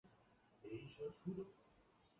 可在中横公路白沙桥附近远观白沙瀑布。